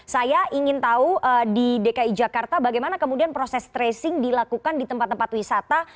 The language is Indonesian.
saya ingin tahu di dki jakarta bagaimana kemudian proses tracing dilakukan di tempat tempat wisata